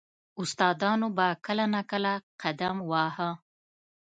• استادانو به کله نا کله قدم واهه.